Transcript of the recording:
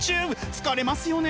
疲れますよね！